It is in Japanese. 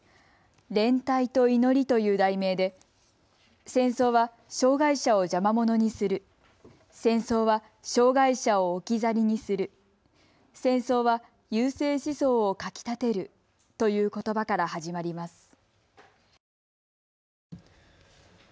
連帯と祈りという題名で戦争は、障害者を邪魔ものにする戦争は、障害者を置き去りにする戦争は、優生思想をかきたてるということばから始まります。